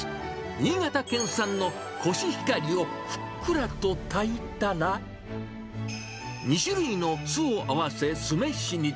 新潟県産のコシヒカリをふっくらとたいたら、２種類の酢を合わせ、酢飯に。